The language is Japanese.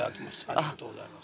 ありがとうございます。